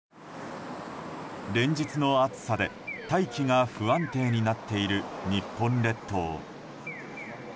連日の暑さで大気が不安定になっている日本列島。